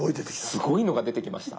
すごいのが出てきました。